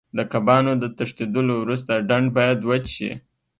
د کبانو د تښتېدلو وروسته ډنډ باید وچ شي.